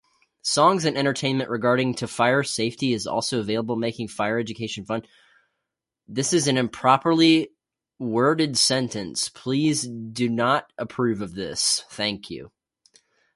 Songs and entertainment regarding to fire safety is also available making fire education fun.